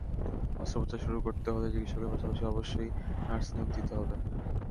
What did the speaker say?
অস্ত্রোপচার শুরু করতে হলে চিকিৎসকের পাশাপাশি অবশ্যই নার্স নিয়োগ দিতে হবে।